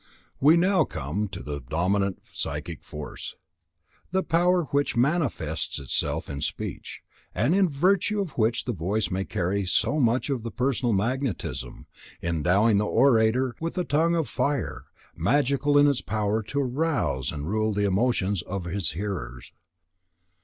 We come now to the dominant psychic force, the power which manifests itself in speech, and in virtue of which the voice may carry so much of the personal magnetism, endowing the orator with a tongue of fire, magical in its power to arouse and rule the emotions of his hearers.